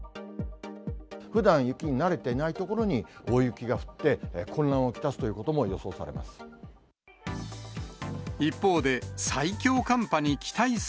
ふだん雪に慣れていない所に、大雪が降って、混乱を来すということも予想されます。